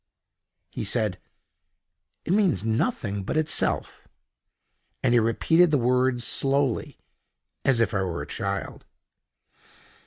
He said: "It means nothing but itself"—and he repeated the words slowly, as if I were a child.